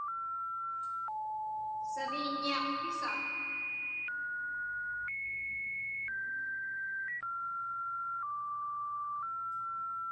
Saviiññiaqpisa?